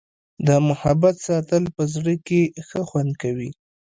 د محبت ساتل په زړه کي ښه خوند کوي.